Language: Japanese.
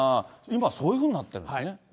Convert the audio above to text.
今、そういうふうになってるんですね。